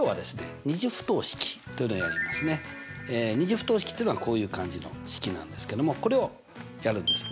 ２次不等式というのはこういう感じの式なんですけどもこれをやるんです。